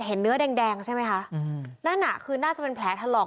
เห็นเนื้อแดงแดงใช่ไหมคะนั่นน่ะคือน่าจะเป็นแผลถลอก